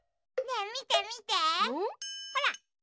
ねえみてみてほら。